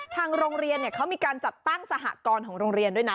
ทางโรงเรียนเขามีการจัดตั้งสหกรณ์ของโรงเรียนด้วยนะ